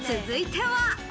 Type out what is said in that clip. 続いては。